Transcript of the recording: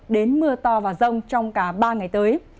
đến mưa to và rông trong cả ba ngày tới